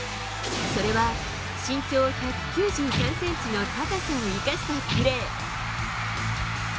それは、身長１９３ｃｍの高さを生かしたプレー。